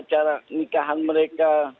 cara nikahan mereka